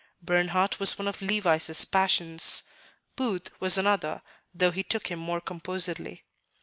Bernhardt was one of Levice's passions. Booth was another, though he took him more composedly.